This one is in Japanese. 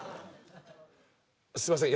すいません